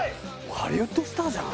ハリウッドスターじゃん！